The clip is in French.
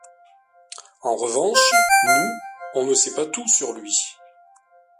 En revanche, nous, on ne sait pas tout sur lui”.